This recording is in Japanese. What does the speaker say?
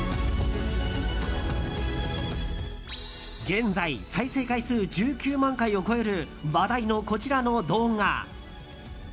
現在、再生回数１９万回を超える話題のこちらの動画。